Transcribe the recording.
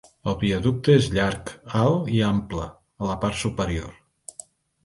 El viaducte és llarg, alt i ample a la part superior.